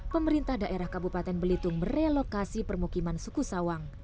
pemerintah daerah kabupaten belitung merelokasi permukiman suku sawang